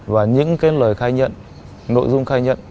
và những lời khai nhận nội dung khai nhận